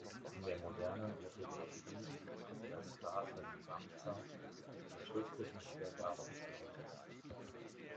In der modernen Orthographie dient das Graphem Hamza der schriftlichen Wiedergabe des Lautes.